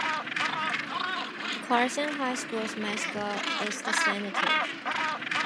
Carson High School's mascot is the Senator.